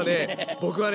僕はね